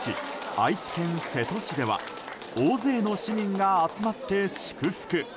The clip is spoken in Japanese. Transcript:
愛知県瀬戸市では大勢の市民が集まって祝福。